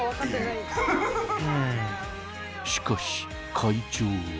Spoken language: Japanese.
［しかし会長は］